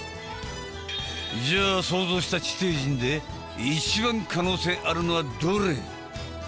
じゃあ想像した地底人で一番可能性あるのはどれ？